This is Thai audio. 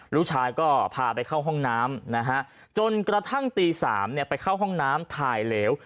ลูกชายก็พาไปเข้าห้องน้ำนะฮะจนกระทั่งตี๓ไปเข้าห้องน้ำถ่ายเหลว